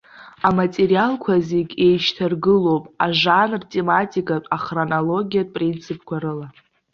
Аматериалқәа зегь еишьҭаргылоуп ажанр-тематикатә, ахронологиатә принципқәа рыла.